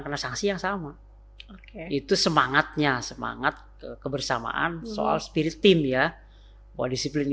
kena sanksi yang sama oke itu semangatnya semangat kebersamaan soal spirit team ya bahwa disiplin